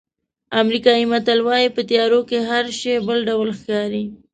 امریکایي متل وایي په تیارو کې هر شی بل ډول ښکاري.